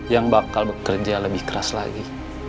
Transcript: yang bakal bekerja lebih keras lagi